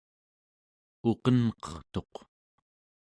uqenqertuq